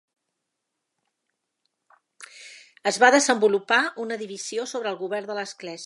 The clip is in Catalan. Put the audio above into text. Es va desenvolupar una divisió sobre el govern de l'Església.